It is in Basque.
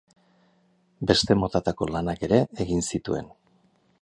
Beste motatako lanak ere egin zituen.